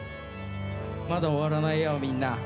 まだ終わらないよ、みんな。